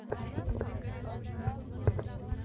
د دیني علومو زده کوونکي ته اطلاقېږي.